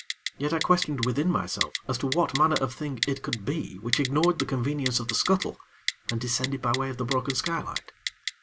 Yet, I questioned within myself as to what manner of thing it could be which ignored the convenience of the scuttle, and descended by way of the broken skylight.